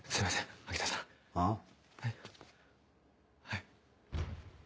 はい。